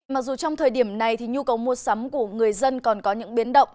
mặc dù trong thời điểm này thì nhu cầu mua sắm của người dân còn có những biến động